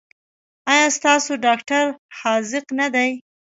ایا ستاسو ډاکټر حاذق نه دی؟